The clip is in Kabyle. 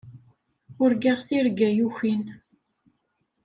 Urgaɣ tirga yukin.